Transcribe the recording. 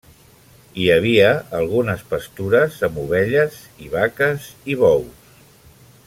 Hi havia algunes pastures, amb ovelles i vaques i bous.